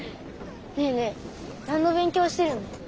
ねえねえ何の勉強してるの？